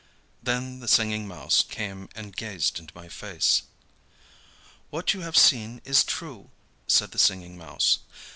Then the Singing Mouse came and gazed into my face. "What you have seen is true," said the Singing Mouse.